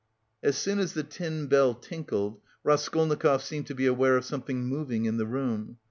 As soon as the tin bell tinkled, Raskolnikov seemed to be aware of something moving in the room.